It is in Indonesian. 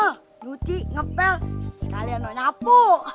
nguci ngepel sekalian nanya apa